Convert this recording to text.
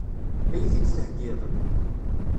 Ad iyi-t-id-theggiḍ?